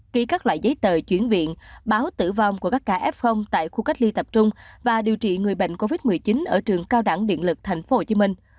ký các loại giấy tờ chuyển viện báo tử vong của các ca f tại khu cách ly tập trung và điều trị người bệnh covid một mươi chín ở trường cao đẳng điện lực thành phố hồ chí minh